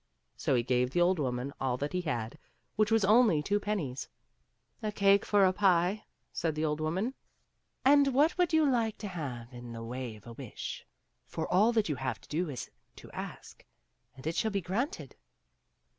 So he gave the old woman all that he had, which was only two pennies. " A cake for a pie," said the old woman ;" and what would you like to 256 THE STAFF AND THE FIDDLE. have in the way of a wish ? for all that you have to do is to ask, and it shall be granted.